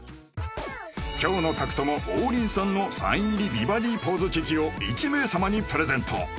今日の宅トモ王林さんのサイン入り美バディポーズチェキを１名様にプレゼント